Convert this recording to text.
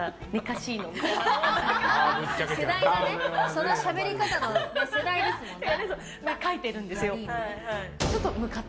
そのしゃべりの世代ですもんね。